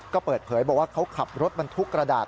ก็เปิดเผยบอกว่าเขาขับรถบรรทุกกระดาษ